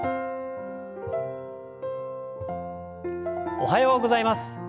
おはようございます。